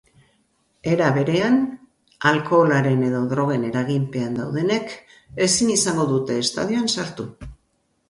Era berean, alkoholaren edo drogen eraginpean daudenek ezin izango dute etsadioan sartu.